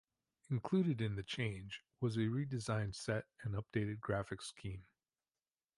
Included in the change was a redesigned set and updated graphics scheme.